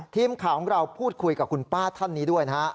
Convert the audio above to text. ทีมข่าวของเราพูดคุยกับคุณป้าท่านนี้ด้วยนะฮะ